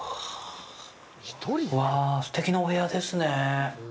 うわぁ、すてきなお部屋ですね！